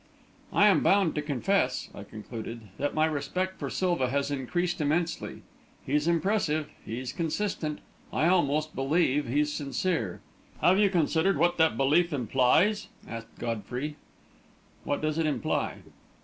"I'm bound to confess," I concluded, "that my respect for Silva has increased immensely. He's impressive; he's consistent; I almost believe he's sincere." "Have you considered what that belief implies?" asked Godfrey. "What does it imply?"